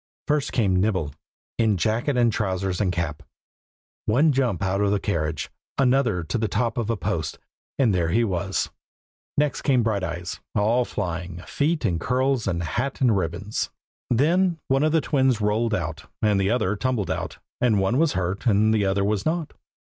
First came Nibble, in jacket and trousers and cap. One jump out of the carriage, another to the top of a post, and there he was. Next came Brighteyes, all flying, feet and curls and hat and ribbons. Then one of the twins rolled out, and the other tumbled out; and one was hurt, and the other was not.